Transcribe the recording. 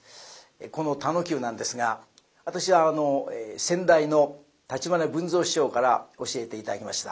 この「田能久」なんですが私は先代の橘家文蔵師匠から教えて頂きました。